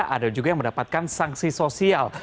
ada juga yang mendapatkan sanksi sosial